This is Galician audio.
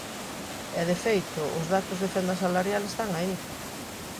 E, de feito, os datos de fenda salarial están aí.